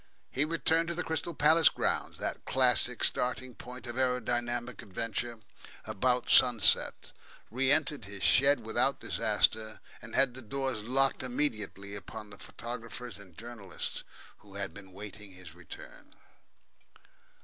He returned to the Crystal Palace grounds, that classic starting point of aeronautical adventure, about sunset, re entered his shed without disaster, and had the doors locked immediately upon the photographers and journalists who been waiting his return.